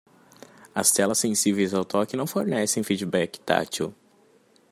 As telas sensíveis ao toque não fornecem feedback tátil.